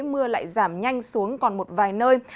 mưa lại giảm nhanh xuống còn một vài nơi